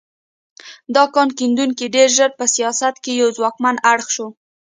دا کان کیندونکي ډېر ژر په سیاست کې یو ځواکمن اړخ شو.